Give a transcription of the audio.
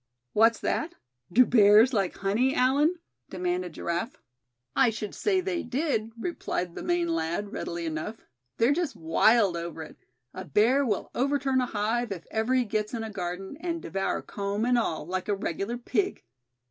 "What's that? Do bears like honey, Allan?" demanded Giraffe. "I should say they did," replied the Maine lad, readily enough. "They're just wild over it. A bear will overturn a hive, if ever he gets in a garden, and devour comb and all, like a regular pig."